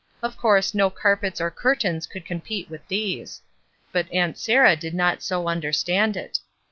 Of course no carpets or curtains could compete with these; but Aunt Sarah did not so under stand it.